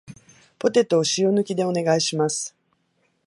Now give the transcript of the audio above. ポテトを塩抜きでお願いします